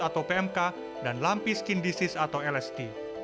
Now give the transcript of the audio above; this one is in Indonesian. atau pmk dan lampi skin disease atau lst